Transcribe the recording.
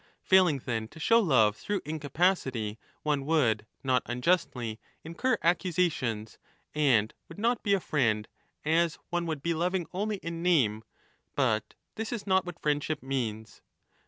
Failing, then, to show love through incapacity one would, 10 not unjustly, incur accusations, and would not be a friend, as one would be loving only in name; but this is not what friendship means.